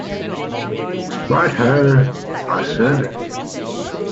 "Right ho," I said.